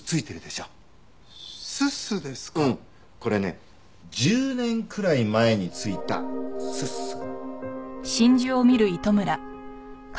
これね１０年くらい前に付いたすす。